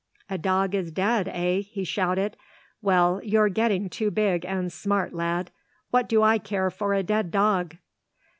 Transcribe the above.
"A dog is dead, eh?" he shouted. "Well you're getting too big and smart, lad. What do I care for a dead dog?"